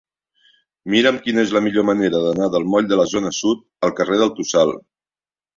Mira'm quina és la millor manera d'anar del moll de la Zona Sud al carrer del Tossal.